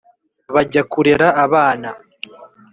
bajya kurera abana :